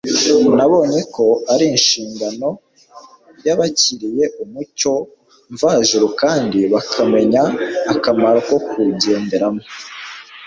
nabonye ko ari inshingano y'abakiriye umucyo mvajuru kandi bakamenya akamaro ko kuwugenderamo